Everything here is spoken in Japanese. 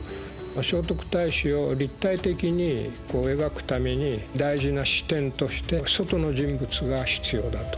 聖徳太子を立体的に描くために大事な視点として外の人物が必要だと。